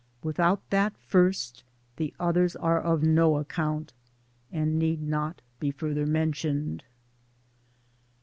Without that first the others are of no account, and need not be further mentioned.